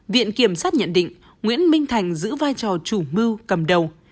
viện kiểm sát nhận định nguyễn minh thành giữ vai trò chủ mưu cầm đầu